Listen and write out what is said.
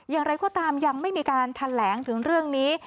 อย่างไรก็ตามยังไม่มีการแถลงถึงเรื่องนี้